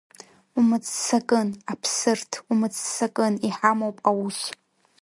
Умыццакын, Аԥсырҭ, умыццакын, иҳамоуп аус.